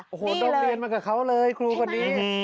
โอ้โหโรงเรียนมากับเขาเลยครูคนนี้